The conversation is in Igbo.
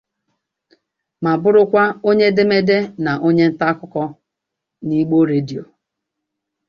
ma bụrụkwa onye edemede na onye ntaakụkọ n'Igbo Radio.